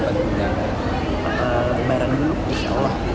biaran dulu insya allah